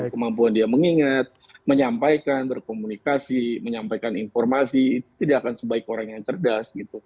kemampuan dia mengingat menyampaikan berkomunikasi menyampaikan informasi itu tidak akan sebaik orang yang cerdas